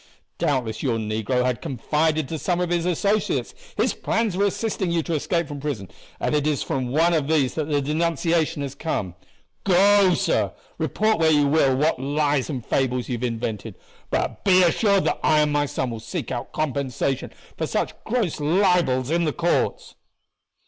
Doubtless your negro had confided to some of his associates his plans for assisting you to escape from prison, and it is from one of these that the denunciation has come. Go, sir, report where you will what lies and fables you have invented; but be assured that I and my son will seek our compensation for such gross libels in the courts."